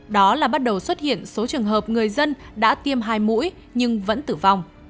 đó là bắt đầu xuất hiện số trường hợp người dân đã tiêm hai mũi nhưng vẫn tử vong